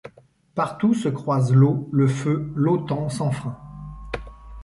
Partout se croisent l’eau, le feu, l’autan sans frein